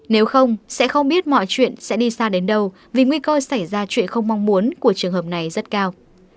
nếu không sẽ không biết mọi chuyện sẽ đi xa đến đâu vì nguy cơ xảy ra chuyện không mong muốn của trường hợp này rất cao